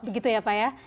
begitu ya pak ya